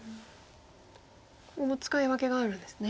ここも使い分けがあるんですね。